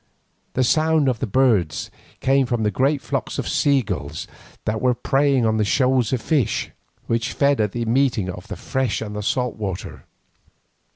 The sound of birds came from great flocks of sea gulls that were preying on the shoals of fish, which fed at the meeting of the fresh and salt water.